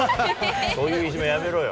そういういじめ、やめろよ。